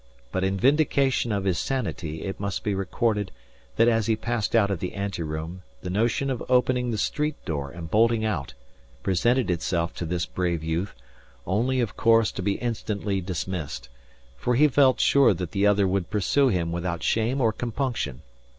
But in vindication of his sanity it must be recorded that as he passed out of the anteroom the notion of opening the street door and bolting out presented itself to this brave youth, only, of course, to be instantly dismissed: for he felt sure that the other would pursue him without shame or compunction.